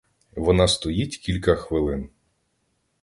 Вона стоїть кілька хвилин.